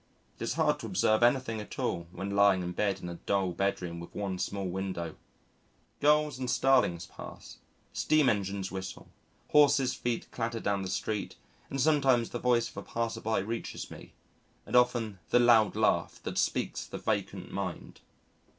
It is hard to observe anything at all when lying in bed in a dull bedroom with one small window. Gulls and Starlings pass, steam engines whistle, horses' feet clatter down the street, and sometimes the voice of a passer by reaches me, and often the loud laugh that speaks the vacant mind.